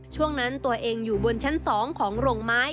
ช่วงนั้นตัวเองอยู่บนชั้น๒ของโรงไม้